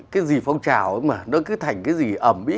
cái gì phong trào ấy mà nó cứ thành cái gì ẩm mỹ